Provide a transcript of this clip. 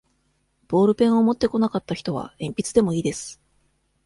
ボールペンを持ってこなかった人は、えんぴつでもいいです。